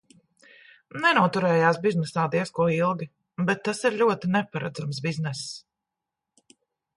Nenoturējās biznesā diez ko ilgi, bet tas ir ļoti neparedzams bizness.